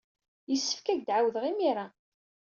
Yessefk ad ak-d-ɛawdeɣ imir-a.